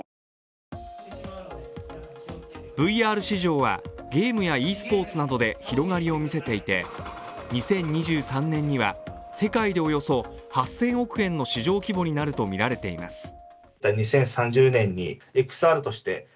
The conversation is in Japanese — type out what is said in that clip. ＶＲ市場は、ゲームやｅスポーツなどで広がりをみせていて、２０２３年には世界でおよそ８０００億円の市場規模になるとみられています。